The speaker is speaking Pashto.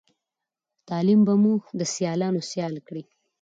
تعليم به مو د سیالانو سيال کړی